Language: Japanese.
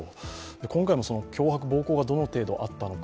今回も脅迫・暴行がどの程度あったのか。